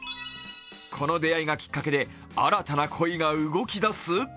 この出会いがきっかけで、新たな恋が動き出す？